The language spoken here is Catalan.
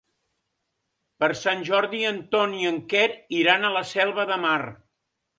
Per Sant Jordi en Ton i en Quer iran a la Selva de Mar.